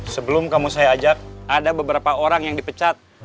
sebelum kamu saya ajak ada beberapa orang yang dipecat